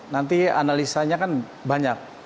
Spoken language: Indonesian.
nanti analisanya kan banyak